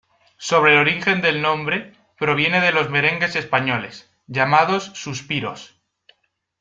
Sobre el origen del nombre, proviene de los merengues españoles, llamados "suspiros".